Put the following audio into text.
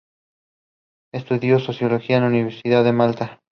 Estudió sociología en la Universidad de Malta.